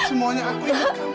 semuanya aku ingat